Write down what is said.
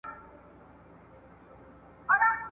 سردار محمد داود خان د افغانستان د راتلونکي لپاره لوی معمار وو.